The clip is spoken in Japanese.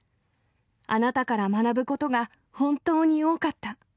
あなたから学ぶことが本当に多かった。